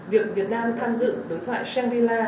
việc việt nam tham dự đối thoại shangri la